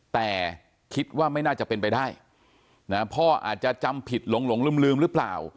แต่คิดว่าไม่น่าจะเป็นไปได้นะพ่ออาจจะจำผิดหลงลืมหรือเปล่า